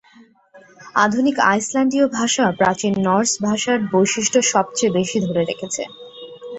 আধুনিক আইসল্যান্ডীয় ভাষা প্রাচীন নর্স ভাষার বৈশিষ্ট্য সবচেয়ে বেশি ধরে রেখেছে।